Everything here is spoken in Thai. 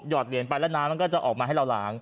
อดเหรียญไปแล้วน้ำมันก็จะออกมาให้เราล้าง